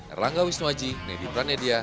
erlangga wisnuwaji neddy pranedia